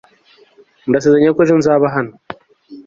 Ndasezeranye ko ejo nzaba hano